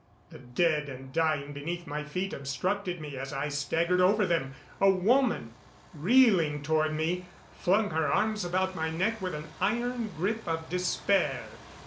The dead and dying beneath my feet obstructed me as I staggered over them. A woman, reeling toward me, flung her arms about my neck with an iron grip of despair.